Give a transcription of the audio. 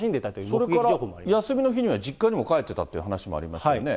それから休みの日には実家にも帰ってたという話もありますよね。